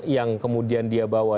yang kemudian dia bawa